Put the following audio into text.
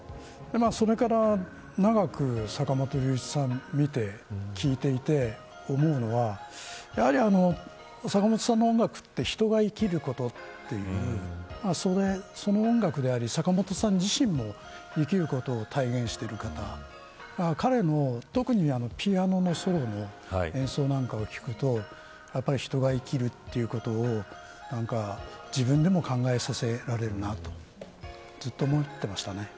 それから長く坂本龍一さんを見て聞いていて思うのはやはり坂本さんの音楽って人が生きることというその音楽であり坂本さん自身も生きることを体現している方で彼の特にピアノのソロの演奏なんかを聞くとやはり人が生きるということを自分でも考えさせられるなとずっと思ってましたね。